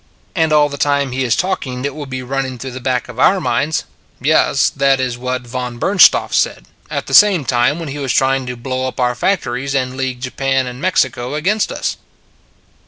And all the time he is talking it will be running through the back of our minds: Yes, that is what Von Bernstorff said, at the same time when he was trying to blow up our factories, and league Japan and Mexico against us."